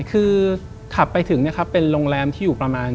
คือขับไปถึงเนี่ยครับเป็นโรงแรมที่อยู่ประมาณ